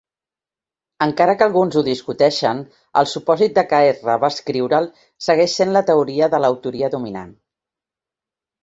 Encara que alguns ho discuteixen, el supòsit que Ezra va escriure'l segueix sent la teoria de l'autoria dominant.